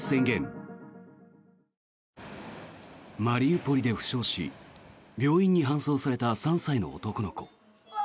マリウポリで負傷し病院に搬送された３歳の男の子。